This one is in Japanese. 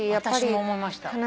私も思いました。